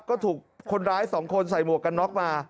ก็ถูกคนร้าย๒คนใส่หมวกกันน็อกมา